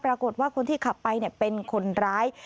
ปรากฏว่าคนที่ขับไปเป็นคนร้าย